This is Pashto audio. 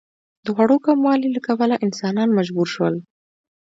د خوړو کموالي له کبله انسانان مجبور شول.